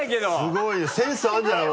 すごいねセンスあるんじゃない？